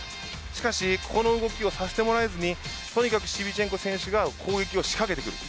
しかし、ここの動きをさせてもらえずにシビチェンコ選手が攻撃を仕掛けてくる。